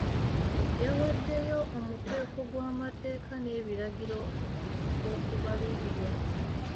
Yawaddeyo omuteeko gw'amateeka n'ebiragiro okubalirirwa.